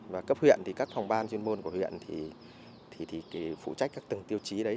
và cấp huyện thì các phòng ban chuyên môn của huyện thì phụ trách các từng tiêu chí đấy